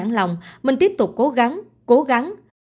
mình không nản lòng mình tiếp tục cố gắng cố gắng